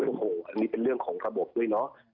โอ้โหอันนี้เป็นเรื่องของระบบด้วยเนอะ